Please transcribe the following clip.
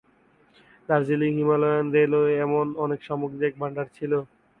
Darjeeling Himalayan railway এমন অনেক সামগ্রীর এক ভাণ্ডার ছিল।